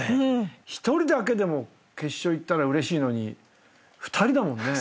１人だけでも決勝行ったらうれしいのに２人だもんね。